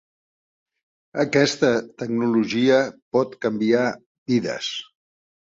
Aquesta tecnologia pot canviar vides.